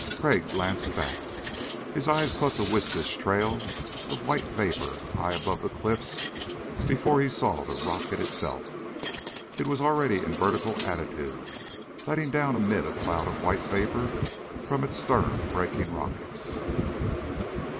Crag glanced back. His eyes caught the wispish trail of white vapor high above the cliffs before he saw the rocket itself. It was already in vertical attitude, letting down amid a cloud of white vapor from its stern braking rockets.